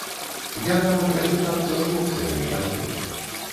Я нават развітацца з хлопцамі не паспеў.